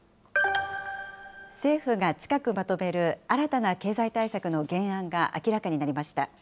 政府が近くまとめる新たな経済対策の原案が明らかになりました。